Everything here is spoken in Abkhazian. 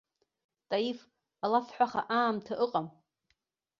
Таиф, алафҳәаха аамҭа ыҟам.